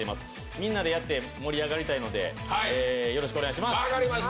みんなでやって盛り上がりたいので、よろしくお願いします。